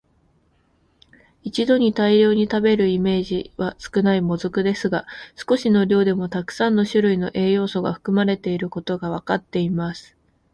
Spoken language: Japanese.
一度に大量に食べるイメージは少ない「もずく」ですが、少しの量でもたくさんの種類の栄養素が含まれていることがわかっています。